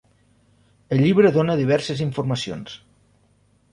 El llibre dóna diverses informacions.